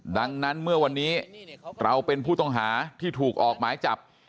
ดังนั้นเมื่อวันนี้เราเป็นผู้ต้องหาที่ถูกออกหมายจับ